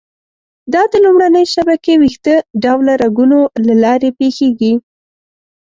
دا د لومړنۍ شبکې ویښته ډوله رګونو له لارې پېښېږي.